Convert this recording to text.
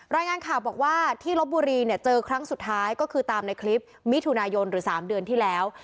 รายงานข่าวบอกว่าที่ลบบุรีเนี่ยเจอครั้งสุดท้ายก็คือตามในคลิปมิถุนายนหรือ๓เดือนที่แล้ว